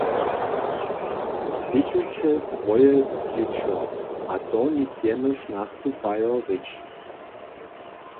Spěchujće swoje dźěćo, a to nic jenož nastupajo rěč.